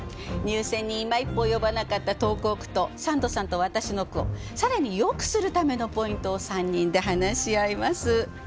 入選にいま一歩及ばなかった投稿句と三度さんと私の句を更によくするためのポイントを３人で話し合います。